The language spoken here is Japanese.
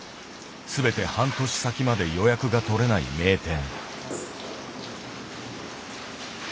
すべて半年先まで予約が取れない名店。